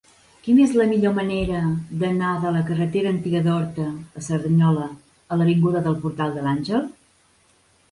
Quina és la millor manera d'anar de la carretera Antiga d'Horta a Cerdanyola a l'avinguda del Portal de l'Àngel?